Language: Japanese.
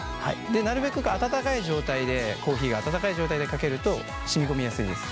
なるべくコーヒーが温かい状態でかけると染み込みやすいです。